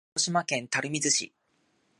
鹿児島県垂水市